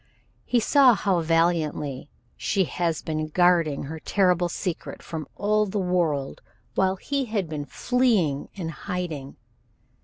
He saw how valiantly she has been guarding her terrible secret from all the world while he had been fleeing and hiding.